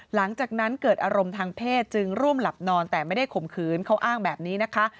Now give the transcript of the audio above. หลังจากนั้นเกิดอารมณ์ทางเพศจึงร่วมหลับนอนแต่ไม่ได้ข่มขืนเขาอ้างแบบนี้นะคะ